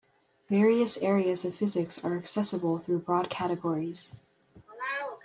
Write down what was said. Various areas of physics are accessible through broad categories.